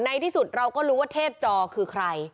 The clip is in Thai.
ในที่สุดเราก็รู้ว่าเทพจอคือใคร